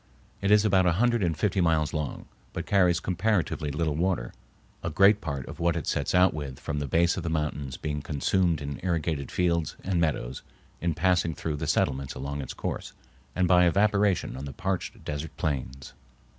It is about a hundred and fifty miles long, but carries comparatively little water, a great part of what it sets out with from the base of the mountains being consumed in irrigated fields and meadows in passing through the settlements along its course, and by evaporation on the parched desert plains.